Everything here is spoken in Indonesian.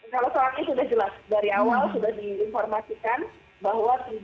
kalau sholat eat sudah jelas dari awal sudah diinformasikan bahwa tidak boleh ada sholat eat di mesin manapun